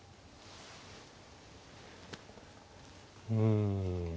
うん。